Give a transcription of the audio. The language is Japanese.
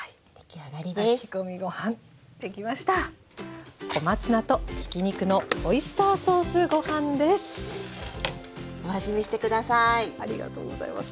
ありがとうございます。